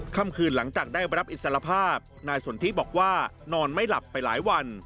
ค่ำคืนหลังจากได้รับอิสรภาพนายสนทิบอกว่านอนไม่หลับไปหลายวัน